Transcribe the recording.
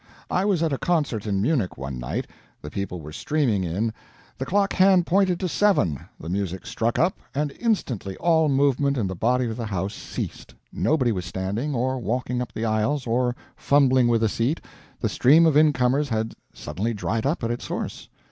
I was at a concert in Munich one night, the people were streaming in, the clock hand pointed to seven, the music struck up, and instantly all movement in the body of the house ceased nobody was standing, or walking up the aisles, or fumbling with a seat, the stream of incomers had suddenly dried up at its source.